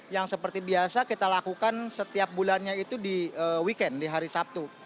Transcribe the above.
yang seperti biasa kita lakukan setiap bulannya itu di weekend di hari sabtu